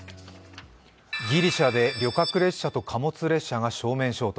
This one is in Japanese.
ギリシャで旅客列車と貨物列車が正面衝突。